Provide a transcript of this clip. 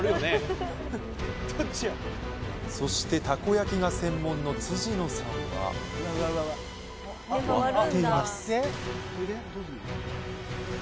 そしてたこ焼が専門の辻野さんは割っています